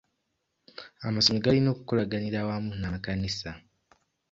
Amasomero galina okukolaganira awamu n'amakanisa.